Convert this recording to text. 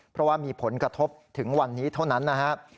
เพราะว่ามีผลกระทบถึงวันนี้เท่านั้นนะครับ